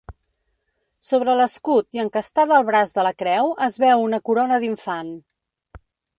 Sobre l'escut i encastada al braç de la creu es veu una corona d'infant.